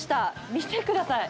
見てください。